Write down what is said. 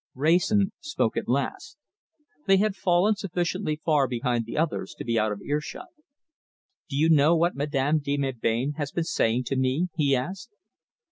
Wrayson spoke at last. They had fallen sufficiently far behind the others to be out of earshot. "Do you know what Madame de Melbain has been saying to me?" he asked.